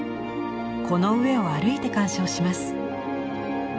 この上を歩いて鑑賞します。